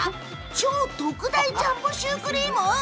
超特大ジャンボシュークリーム！